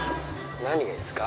何がいいですか？